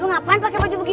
lu ngapain pake baju begitu